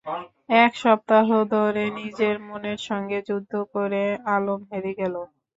এক সপ্তাহ ধরে নিজের মনের সঙ্গে যুদ্ধ করে আলম হেরে গেলেন।